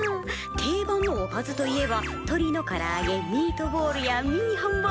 定番のおかずといえばとりのからあげミートボールやミニハンバーグ。